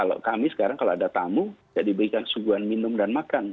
kalau kami sekarang kalau ada tamu ya diberikan suguhan minum dan makan